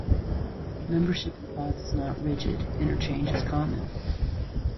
Membership in pods is not rigid; interchange is common.